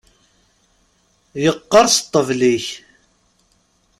Yeqqers ṭṭbel-ik!